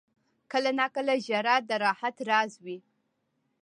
• کله ناکله ژړا د راحت راز وي.